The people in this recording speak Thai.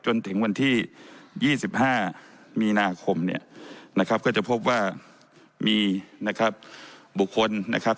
จนถึงวันที่๒๕มีนาคมนะครับก็จะพบว่ามีบุคคลนะครับ